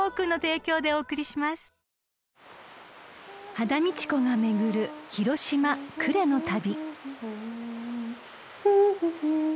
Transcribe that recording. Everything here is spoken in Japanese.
［羽田美智子が巡る広島呉の旅］